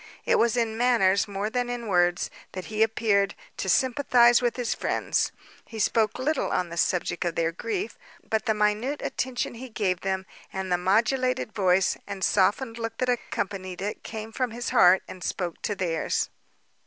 It was in manners, more than in words, that he appeared to sympathise with his friends: he spoke little on the subject of their grief; but the minute attention he gave them, and the modulated voice, and softened look that accompanied it, came from his heart, and spoke to theirs.